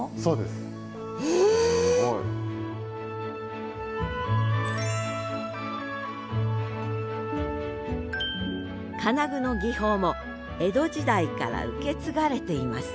すごい！金具の技法も江戸時代から受け継がれています